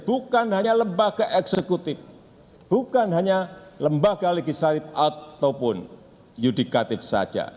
bukan hanya lembaga eksekutif bukan hanya lembaga legislatif ataupun yudikatif saja